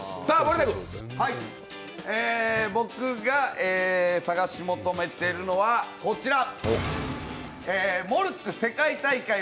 僕が探し求めているものはこちら。